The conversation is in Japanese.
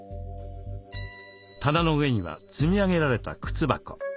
棚の上には積み上げられた靴箱。